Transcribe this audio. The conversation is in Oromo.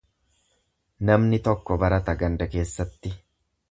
Namni tokko barata ganda keessatti.